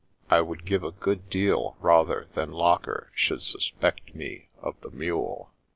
I would give a good deal rather than Locker should suspect me of the mule.